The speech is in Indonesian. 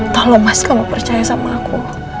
kalau mas kamu percaya sama aku